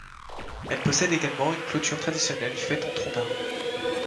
Elle possède également une clôture traditionnelle faite en troncs d'arbres.